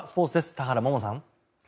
田原萌々さん。